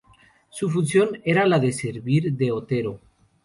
Su función era la de servir de otero.